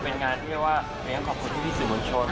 เป็นงานที่เรียกว่าเรียกขอบคุณที่พี่สิบวันโชน